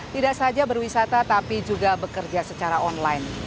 tidak saja berwisata tapi juga bekerja secara online